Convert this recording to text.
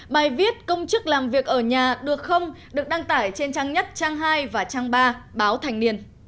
bài viết công chức làm việc ở nhà được không được đăng tải trên trang nhất trang hai và trang ba báo thành niên